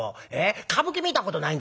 歌舞伎見たことないんですか？